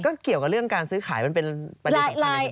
ก็เกี่ยวกับเรื่องการซื้อขายมันเป็นประเด็นสำคัญ